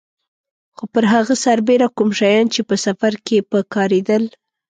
خو پر هغه سربېره کوم شیان چې په سفر کې په کارېدل.